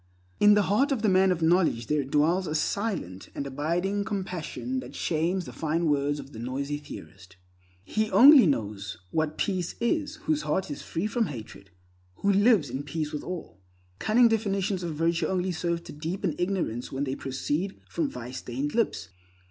In the heart of the man of knowledge there dwells a silent and abiding compassion that shames the fine words of the noisy theorist. He only knows what peace is whose heart is free from hatred, who lives in peace with all. Cunning definitions of virtue only serve to deepen ignorance when they proceed from vice stained lips.